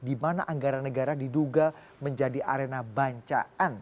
di mana anggaran negara diduga menjadi arena bancaan